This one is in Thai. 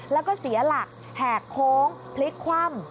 แล้วก็เสียหลักแหกโค้งพลิกคว่ำ